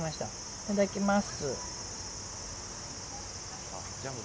いただきます。